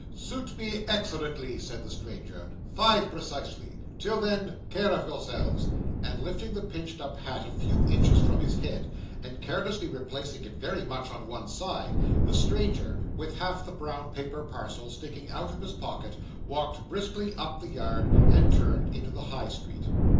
'Suit me excellently,' said the stranger, 'five precisely till then care of yourselves;' and lifting the pinched up hat a few inches from his head, and carelessly replacing it very much on one side, the stranger, with half the brown paper parcel sticking out of his pocket, walked briskly up the yard, and turned into the High Street.